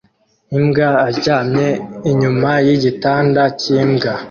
Imbwa aryamye inyuma yigitanda cyimbwa